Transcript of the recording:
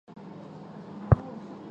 蹄较大。